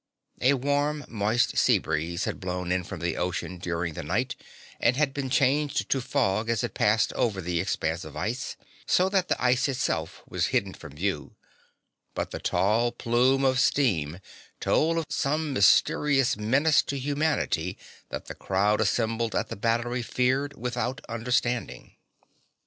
A warm, moist sea breeze had blown in from the ocean during the night and had been changed to fog as it passed over the expanse of ice, so that the ice itself was hidden from view, but the tall plume of steam told of some mysterious menace to humanity that the crowd assembled at the Battery feared without understanding.